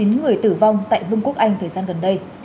ba mươi chín người tử vong tại vương quốc anh thời gian gần đây